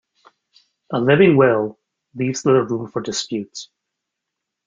A living will, leaves little room for dispute.